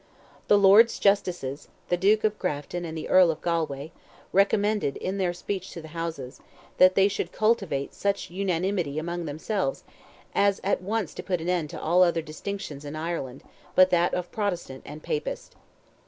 The Lords Justices, the Duke of Grafton and the Earl of Galway, recommended in their speech to the Houses, that they should cultivate such unanimity among themselves as "at once to put an end to all other distinctions in Ireland, but that of Protestant and Papist."